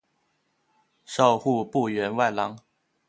授户部员外郎。